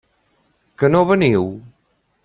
Que no veniu?